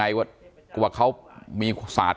การแก้เคล็ดบางอย่างแค่นั้นเอง